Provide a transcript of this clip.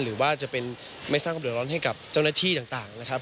หรือว่าจะเป็นไม่สร้างความเดือดร้อนให้กับเจ้าหน้าที่ต่างนะครับ